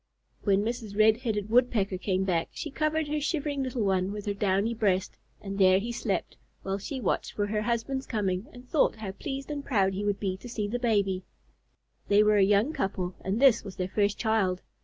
When Mrs. Red headed Woodpecker came back, she covered her shivering little one with her downy breast, and there he slept, while she watched for her husband's coming, and thought how pleased and proud he would be to see the baby. They were a young couple, and this was their first child.